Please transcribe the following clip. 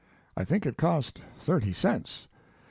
I think it cost thirty cents.